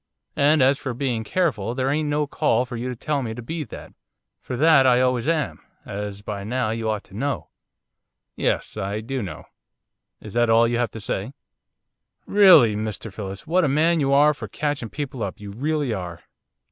And as for bein' careful, there ain't no call for you to tell me to be that, for that I always am, as by now you ought to know.' 'Yes, I do know. Is that all you have to say?' 'Rilly, Mr Phillips, what a man you are for catching people up, you rilly are.